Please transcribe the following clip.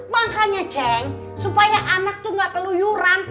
makanya ceng supaya anak tuh gak keluyuran